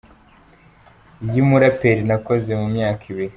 Y’umuraperi Nakoze, mu myaka ibiri.